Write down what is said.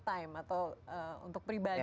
dan juga me time atau untuk pribadi